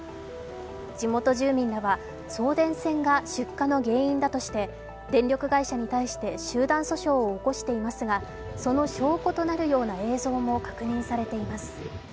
地元住民らは送電線が出火の原因だとして、電力会社に対して集団訴訟を起こしていますがその証拠となるような映像も確認されています。